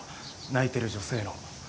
泣いてる女性の。